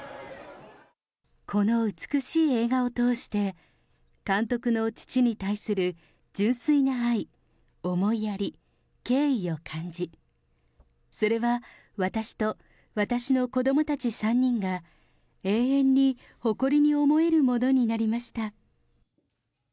この美しい映画を通して、監督の父に対する純粋な愛、思いやり、敬意を感じ、それは、私と、私の子どもたち３人が、永遠に誇りに思えるものになりました。